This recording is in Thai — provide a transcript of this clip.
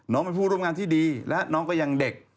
น้องเป็นผู้ร่วมงานที่ดีและน้องก็ยังเด็ก